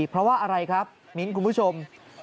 เพราะว่าอะไรครับมิ้นคุณผู้ชม